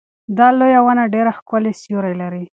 دا لویه ونه ډېر ښکلی سیوری لري.